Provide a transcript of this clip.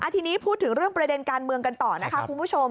ทีนี้พูดถึงเรื่องประเด็นการเมืองกันต่อนะคะคุณผู้ชม